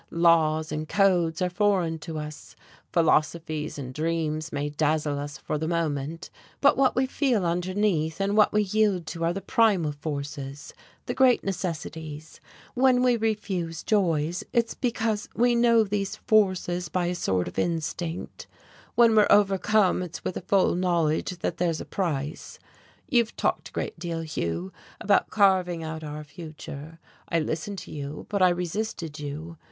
Laws and codes are foreign to us, philosophies and dreams may dazzle us for the moment, but what we feel underneath and what we yield to are the primal forces, the great necessities; when we refuse joys it's because we know these forces by a sort of instinct, when we're overcome it's with a full knowledge that there's a price. You've talked a great deal, Hugh, about carving out our future. I listened to you, but I resisted you.